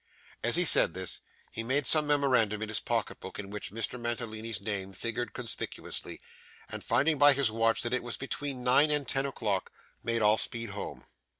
As he said this, he made some memorandum in his pocket book in which Mr Mantalini's name figured conspicuously, and finding by his watch that it was between nine and ten o'clock, made all speed home.